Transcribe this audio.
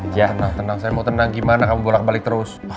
tenang tenang saya mau tenang gimana kamu bolak balik terus